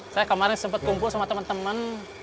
saya kemarin sempet kumpul sama temen temen